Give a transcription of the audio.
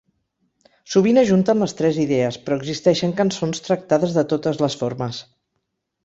Sovint ajunten les tres idees, però existeixen cançons tractades de totes les formes.